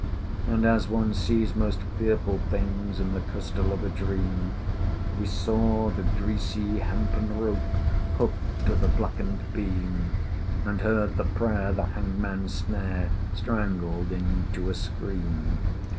And as one sees most fearful things In the crystal of a dream, We saw the greasy hempen rope Hooked to the blackened beam, And heard the prayer the hangman's snare Strangled into a scream.